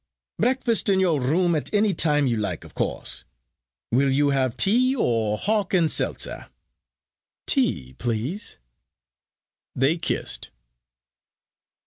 Breakfast in your room at any time you like of course. Will you have tea or hock and seltzer?" "Tea, please." They kissed.